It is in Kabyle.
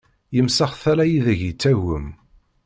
Yemsex tala ideg yettagem!